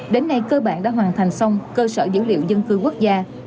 đến nay cơ bản đã hoàn thành xong cơ sở dữ liệu dân cư quốc gia